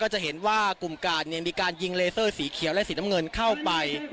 จะเห็นว่ากลุ่มกาดมีการยิงเลเตอร์สีเขียวและสีน้ำเงินเข้าไป